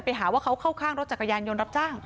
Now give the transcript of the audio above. ไปหาว่าเขาเข้าข้างรถจักรยานยนต์รับจ้าง